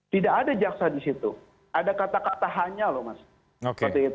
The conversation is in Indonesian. tidak ada jaksa di situ ada kata kata hanya loh mas